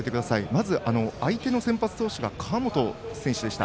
まず、相手の先発投手が川本選手でした。